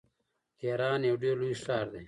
تهران یو ډیر لوی ښار دی.